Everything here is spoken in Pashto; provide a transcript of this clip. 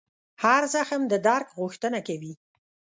هر زخم د درک غوښتنه کوي.